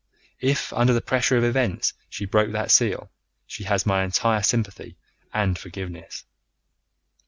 If under the pressure of events she broke that seal, she has my entire sympathy and forgiveness.